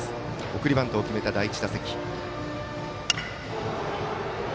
送りバントを決めた第１打席。